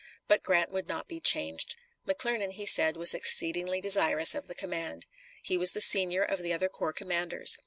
But Grant would not be changed. McClernand, he said, was exceedingly desirous of the command. He was the senior of the other corps commanders.